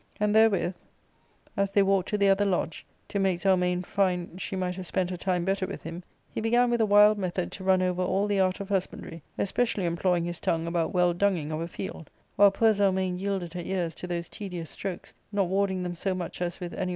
And therewith, as they walked to the other lodge, to make Zelmane find she might have spent her time better with him, he began with a wild method to run over all the art of husbandry, especially employing his tongue about well dunging of a field ; while poor Zelmane yielded her ears to those tedious strokes, not warding them so much as with any.